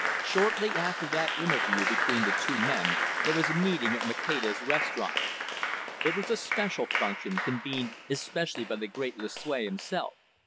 Shortly after that interview between the two men, there was a meeting at Maceda's restaurant. It was a special function, convened especially by the great Lucue himself.